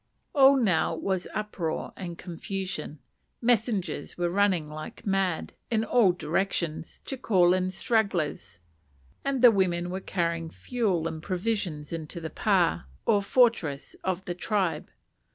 All now was uproar and confusion; messengers were running like mad, in all directions, to call in stragglers; and the women were carrying fuel and provisions into the pa, or fortress, of the tribe.